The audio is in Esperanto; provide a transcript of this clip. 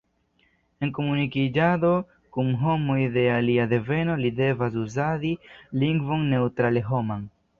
En komunikiĝado kun homoj de alia deveno li devas uzadi lingvon neŭtrale-homan.